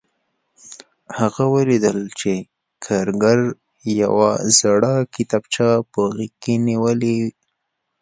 هغه ولیدل چې کارګر یوه زړه کتابچه په غېږ کې نیولې